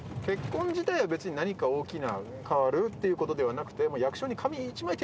結婚自体は別に何か大きな変わるっていうことではなくて。